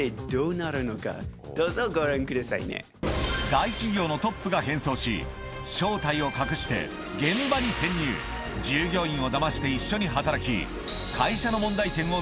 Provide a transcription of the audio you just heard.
大企業のトップが変装し正体を隠して従業員をダマして一緒に働き